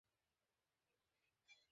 দুজনই হাসিখুশি যাচ্ছ।